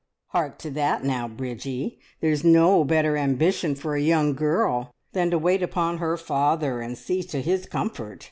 "Hark to that now, Bridgie! There's no better ambition for a young girl than to wait upon her father and see to his comfort!"